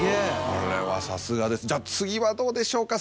これはさすがです。